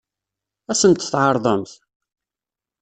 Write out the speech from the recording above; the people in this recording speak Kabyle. Ad sent-t-tɛeṛḍemt?